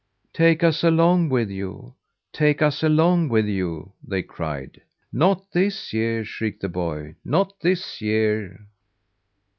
"Take us along with you! Take us along with you!" they cried. "Not this year," shrieked the boy. "Not this year."